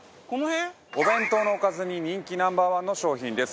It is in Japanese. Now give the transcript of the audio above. お弁当のおかずに人気Ｎｏ．１の商品です。